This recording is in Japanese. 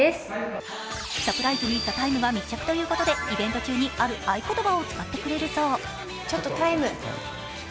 サプライズに「ＴＨＥＴＩＭＥ，」が密着ということでイベント中にある合い言葉を使ってくれるそう。